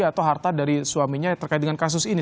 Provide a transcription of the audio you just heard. atau harta dari suaminya terkait dengan kasus ini